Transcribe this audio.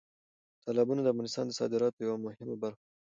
تالابونه د افغانستان د صادراتو یوه مهمه برخه ده.